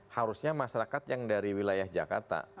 harusnya masyarakat yang dari wilayah jakarta